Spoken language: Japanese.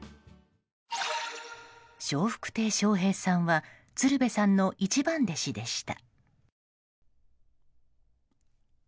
笑福亭笑瓶さんは鶴瓶さんの一番弟子でした。